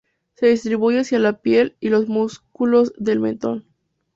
Se distribuye hacia la piel y los músculos del mentón.